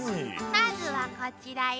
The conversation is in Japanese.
まずはこちらよ。